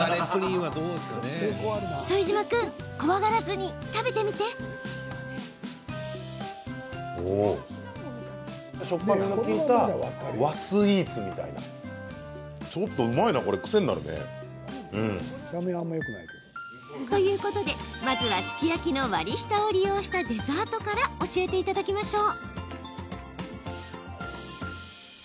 副島君、怖がらずに食べてみて。ということで、まずはすき焼きの割り下を利用したデザートから教えていただきましょう。